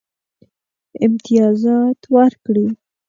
امتیازات ورکړي.